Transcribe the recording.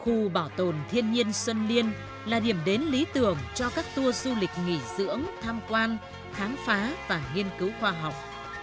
khu bảo tồn thiên nhiên xuân liên là điểm đến lý tưởng cho các tour du lịch nghỉ dưỡng tham quan khám phá và nghiên cứu khoa học